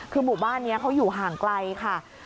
คือหมู่บ้านนี้เขาอยู่ห่างไกลค่ะ